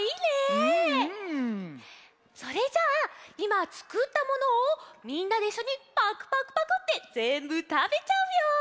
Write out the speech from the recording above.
それじゃあいまつくったものをみんなでいっしょにパクパクパクってぜんぶたべちゃうよ！